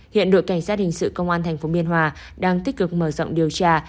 hiện đội cảnh sát hình sự công an tp biên hòa đang tích cực mở rộng điều tra